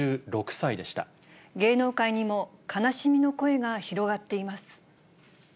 芸能界にも悲しみの声が広がっています。